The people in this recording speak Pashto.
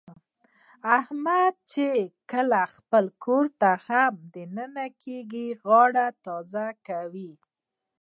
احمد چې کله خپل کورته هم د ننه کېږي، غاړه تازه کوي.